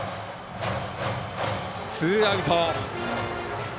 ツーアウト。